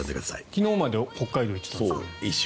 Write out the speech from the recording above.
昨日まで北海道に行ってたんですよね。